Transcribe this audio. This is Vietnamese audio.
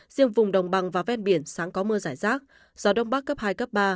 riêng vùng đồng bằng và ven biển sáng có mưa rải rác gió đông bắc cấp hai cấp ba